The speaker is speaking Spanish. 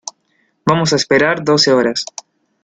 vamos a esperar doce horas.